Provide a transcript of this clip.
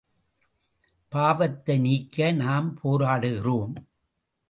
பாவத்தை நீக்க நாம் போராடுகிறோம்.